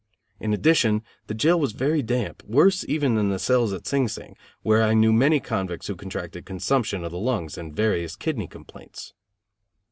In addition, the jail was very damp, worse even than the cells at Sing Sing, where I knew many convicts who contracted consumption of the lungs and various kidney complaints.